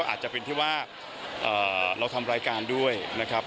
อาจจะเป็นที่ว่าเราทำรายการด้วยนะครับ